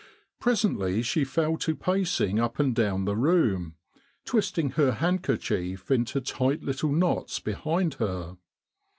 Presently she fell to pacing up and down the room, twisting her handkerchief into tight little knots behind her.